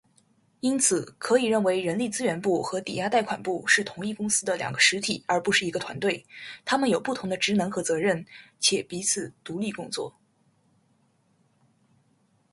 因此，可以认为人力资源部和抵押贷款部是同一公司的两个实体，而不是一个团队。它们有不同的职能和责任，并且彼此独立工作。